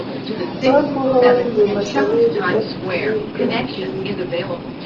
ځان پوهول د مسألې د درک کیلي ګڼل کېږي.